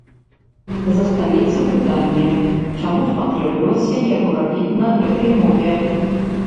Застаецца пытанне, чаму спатрэбілася яго рабіць на гэтай мове?